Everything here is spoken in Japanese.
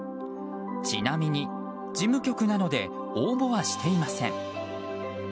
ちなみに、事務局なので応募はしていません。